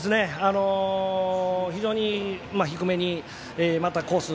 非常に低めにまたコース